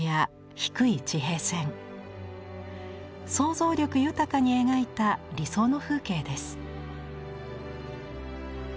想像力豊かに描いた理想の風景です。